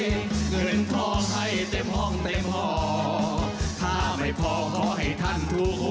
เงินทองให้เต็มห้องเต็มพอถ้าไม่พอก็ให้ท่านผู้